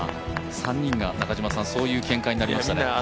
３人がそういう見解になりましたね。